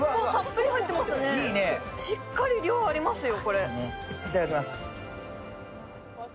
しっかり量、ありますよ。